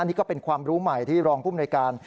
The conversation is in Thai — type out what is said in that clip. นี่ก็เป็นความรู้ใหม่ที่รองภูมิในการ